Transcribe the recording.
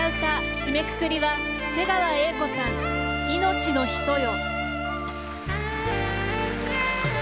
締めくくりは瀬川瑛子さん「いのちの人よ」。